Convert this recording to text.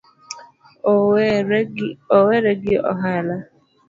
Owere gi ohala?